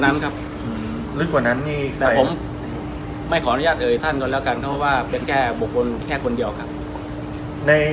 ไม่ขออนุญาติเย็นให้ท่านก่อนแล้วกันเพราะว่าเป็นแค่บุกรุมแค่คนเดียวครับ